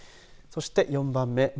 そして４番目。